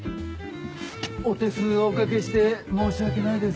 お手数おかけして申し訳ないです。